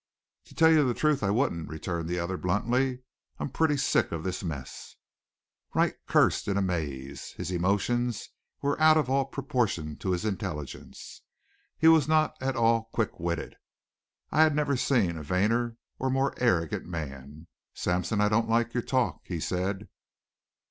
"To tell you the truth I wouldn't," returned the other bluntly. "I'm pretty sick of this mess." Wright cursed in amaze. His emotions were out of all proportion to his intelligence. He was not at all quick witted. I had never seen a vainer or more arrogant man. "Sampson, I don't like your talk," he said.